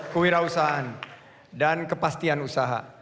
kewirausahaan dan kepastian usaha